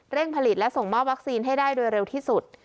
ผลิตและส่งมอบวัคซีนให้ได้โดยเร็วที่สุด